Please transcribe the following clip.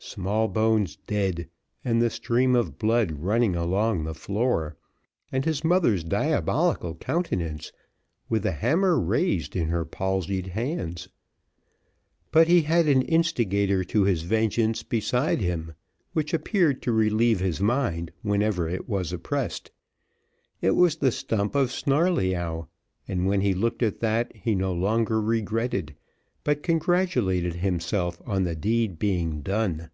Smallbones dead, and the stream of blood running along the floor, and his mother's diabolical countenance, with the hammer raised in her palsied hands; but he had an instigator to his vengeance beside him, which appeared to relieve his mind whenever it was oppressed; it was the stump of Snarleyyow, and when he looked at that he no longer regretted, but congratulated himself on the deed being done.